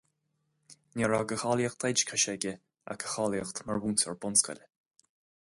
Ní raibh de cháilíocht oideachais aige ach a cháilíocht mar mhúinteoir bunscoile.